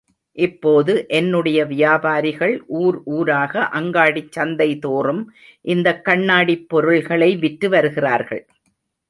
இப்போது, என்னுடைய வியாபாரிகள், ஊர் ஊராக அங்காடிச் சந்தைதோறும் இந்தக் கண்ணாடிப் பொருள்களை விற்று வருகிறார்கள்.